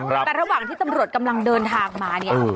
แต่ระหว่างที่ตำรวจกำลังเดินทางมาเนี่ย